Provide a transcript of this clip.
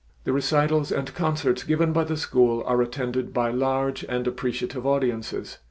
The recitals and concerts given by the school are attended by large and appreciative audiences.